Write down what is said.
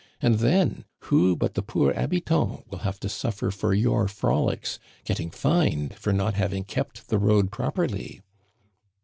And then, who but the poor habitant will have to suffer for your frolics, getting fined for not hav ing kept the road properly